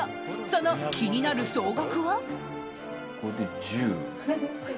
その気になる総額は？